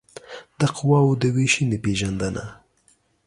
د قواوو د وېشنې پېژندنه